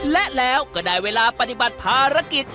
และแล้วก็ได้เวลาปฏิบัติภารกิจ